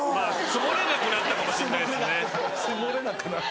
積もれなくなったかもしれないですね。